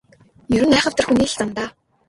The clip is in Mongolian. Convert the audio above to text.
Ер нь айхавтар л хүний зан даа.